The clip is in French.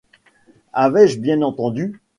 Avais-je bien entendu ?